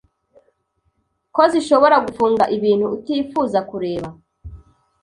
ko zishobora gufunga ibintu utifuza kureba